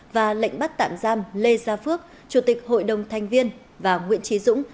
và lệnh bắt tạm giam lê gia phước chủ tịch hội đồng thành viên và nguyễn trí dũng